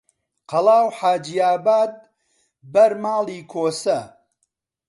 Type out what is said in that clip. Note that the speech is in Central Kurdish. قەڵا و حاجیاباد بەر ماڵی کۆسە